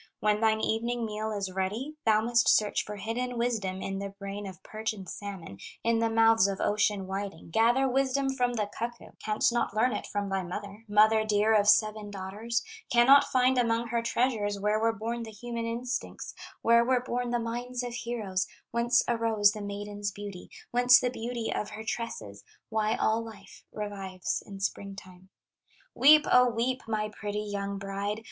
When thine evening meal is ready, Thou must search for hidden wisdom In the brain of perch and salmon, In the mouths of ocean whiting, Gather wisdom from the cuckoo, Canst not learn it from thy mother, Mother dear of seven daughters; Cannot find among her treasures Where were born the human instincts, Where were born the minds of heroes, Whence arose the maiden's beauty, Whence the beauty of her tresses, Why all life revives in spring time. "Weep, O weep, my pretty young bride.